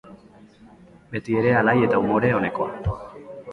Betiere alai eta umore onekoa.